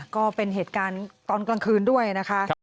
ก็เป็นเหตุการณ์ตอนกลางคืนด้วยนะคะ